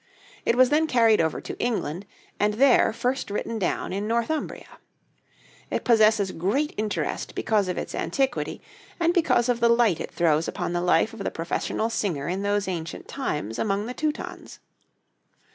It was then carried over to England, and there first written down in Northumbria. It possesses great interest because of its antiquity, and because of the light it throws upon the life of the professional singer in those ancient times among the Teutons.